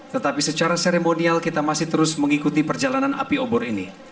tetapi secara seremonial kita masih terus mengikuti perjalanan api obor ini